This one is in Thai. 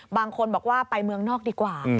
บางคนบอกว่าไปเมืองนอกดีกว่า